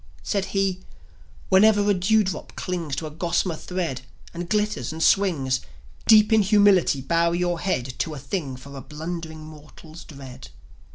Said he: "Whenever a dewdrop clings To a gossamer thread, and glitters and swings, Deep in humility bow your head To a thing for a blundering rnortal's dread."